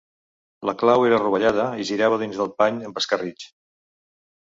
La clau era rovellada i girava dins el pany amb escarritx.